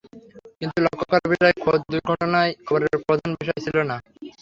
কিন্তু লক্ষ করার বিষয়, খোদ দুর্ঘটনাটাই খবরের প্রধান বিষয় ছিল না।